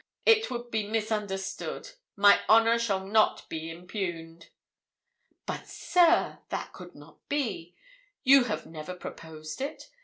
It would be misunderstood my honour shall not be impugned.' 'But, sir, that could not be; you have never proposed it.